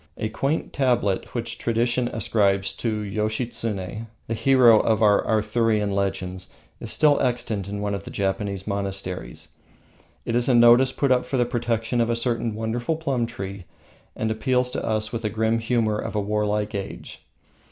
A quaint tablet, which tradition ascribes to Yoshitsune, the hero of our Arthurian legends, is still extant in one of the Japanese monasteries [Sumadera, near Kobe]. It is a notice put up for the protection of a certain wonderful plum tree, and appeals to us with the grim humour of a warlike age.